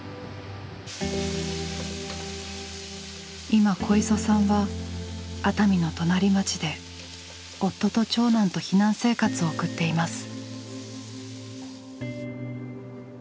今小磯さんは熱海の隣町で夫と長男と避難生活を送っています。